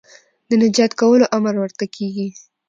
د نجات کولو امر ورته کېږي